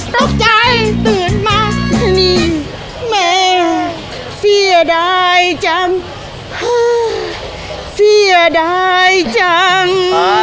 ตกใจตื่นมาสนิทแม่เสียดายจังเสียดายจัง